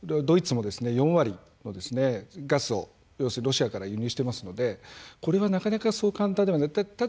ドイツも４割のガスをロシアから輸入していますのでこれはなかなかそう簡単ではない。